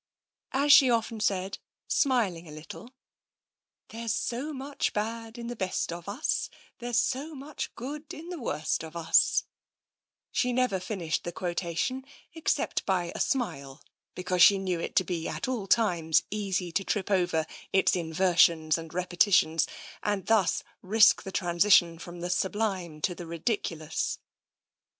As she often said, smiling a little: 30 TENSION 31 "There's so much bad in the best of us, There's so much good in the worst of us " She never finished the quotation, except by the smile, because she knew it to be at all times easy to trip over its inversions and repetitions, and thus risk the transition from the sublime to the ridiculous.